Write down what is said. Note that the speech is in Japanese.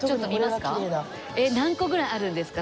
何個ぐらいあるんですか？